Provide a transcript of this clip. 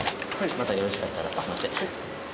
またよろしかったら、すみません。